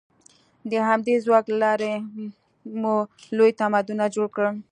د همدې ځواک له لارې مو لوی تمدنونه جوړ کړل.